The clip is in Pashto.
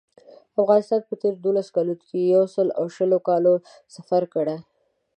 افغانستان په تېرو دولسو کالو کې د یو سل او شلو کالو سفر کړی.